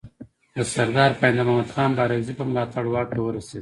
د سردار پاینده محمد خان بارکزي په ملاتړ واک ته ورسېد.